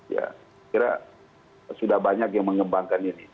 saya kira sudah banyak yang mengembangkan ini